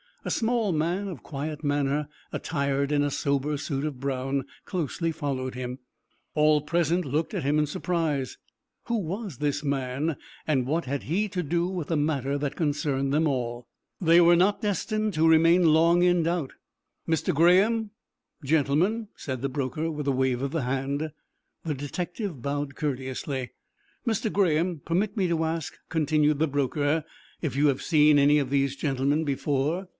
A small man of quiet manner, attired in a sober suit of brown, closely followed him. All present looked at him in surprise. Who was this man, and what had he to do with the matter that concerned them all? They were not destined to remain long in doubt, "Mr. Graham, gentlemen!" said the broker, with a wave of the hand. The detective bowed courteously. "Mr. Graham, permit me to ask," continued the broker, "if you have seen any of these gentlemen before?"